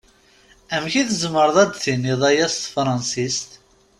Amek i tzemreḍ ad d-tiniḍ aya s tefṛansist?